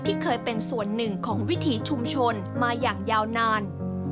ที่เคยเป็นส่วนหนึ่งของวิถีชุมชนมาอย่างยาวนาน